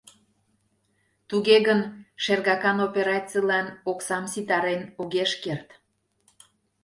Туге гын, шергакан операцийлан оксам ситарен огеш керт.